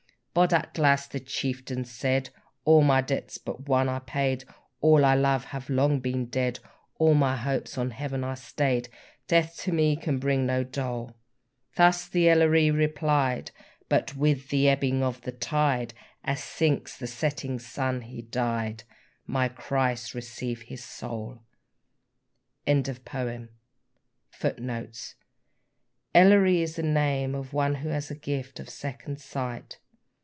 "Bodach Glas!" the chieftain said, "All my debts but one are paid, All I love have long been dead, All my hopes on Heaven are stay'd, Death to me can bring no dole;" Thus the Elleree replied; But with ebbing of the tide As sinks the setting sun he died; May Christ receive his soul! [Footnote 7: "Elleree" is the name of one who has the gift of second sight.